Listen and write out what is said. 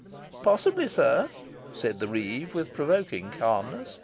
"Possibly, sir," said the reeve, with provoking calmness.